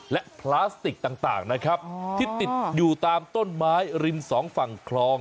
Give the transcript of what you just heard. และพลาสติกต่างนะครับที่ติดอยู่ตามต้นไม้ริมสองฝั่งคลอง